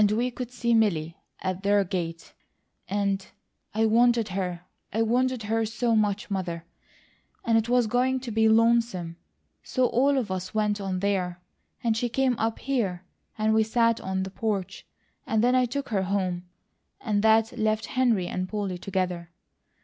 We could see Milly at their gate, and I wanted her, I wanted her so much, Mother; and it was going to be lonesome, so all of us went on there, and she came up here and we sat on the porch, and then I took her home and that left Henry and Polly together.